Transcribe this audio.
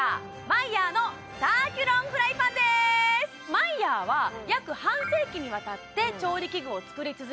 マイヤーは約半世紀にわたって調理器具を作り続け